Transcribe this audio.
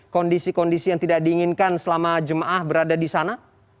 kondisi kondisi yang tidak diinginkan selama jemaah berada di sana